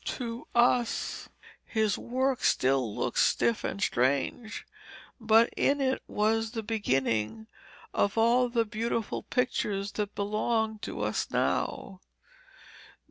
To us his work still looks stiff and strange, but in it was the beginning of all the beautiful pictures that belong to us now.